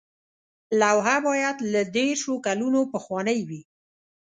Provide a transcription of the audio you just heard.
لوحه باید له دیرشو کلونو پخوانۍ وي.